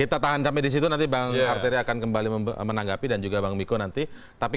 kita tahan sampai disitu nanti bang arteri akan kembali menanggapi dan juga bang miko nanti